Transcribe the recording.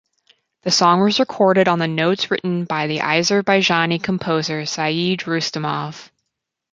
The song was recorded on the notes written by the Azerbaijani composer Said Rustamov.